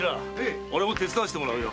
俺も手伝わせてもらうよ。